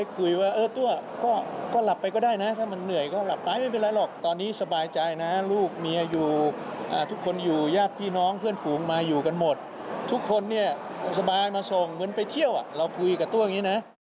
คุยว่าเออตัวพ่อก็หลับไปก็ได้นะถ้ามันเหนื่อยก็หลับไปไม่เป็นไรหรอกตอนนี้สบายใจนะลูกเมียอยู่ทุกคนอยู่ญาติพี่น้องเพื่อนฝูงมาอยู่กันหมดทุกคนเนี่ยสบายมาส่งเหมือนไปเที่ยวเราคุยกับตัวอย่างนี้นะ